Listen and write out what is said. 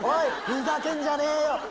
ふざけんじゃねえよ。